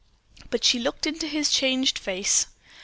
But she looked into his changed face.